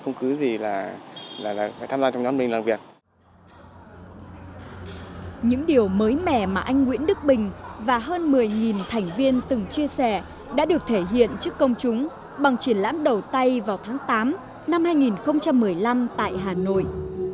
những điều mới mẻ mà anh nguyễn đức bình và hơn một mươi thành viên từng chia sẻ đã được thể hiện trước công chúng bằng triển lãm đầu tay vào tháng tám năm hai nghìn một mươi năm tại hà nội